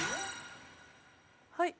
はい。